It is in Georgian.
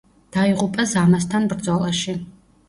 დაიღუპა ზამასთან ბრძოლაში.